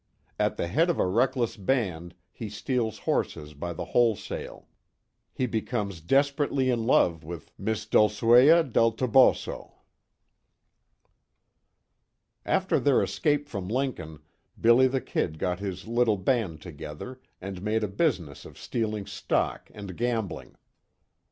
AT THE HEAD OF A RECKLESS BAND, HE STEALS HORSES BY THE WHOLESALE. HE BECOMES DESPERATELY IN LOVE WITH MISS DULCUIEA DEL TOBOSO. After their escape from Lincoln, "Billy the Kid" got his little band together, and made a business of stealing stock and gambling.